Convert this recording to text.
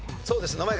そうです。